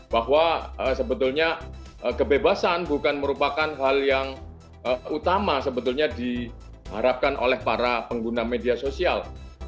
bahwa sebetulnya kebebasan bukan merupakan hal yang utama sebetulnya diharapkan oleh para pengguna media sosial